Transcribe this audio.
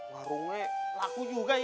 warungnya laku juga ya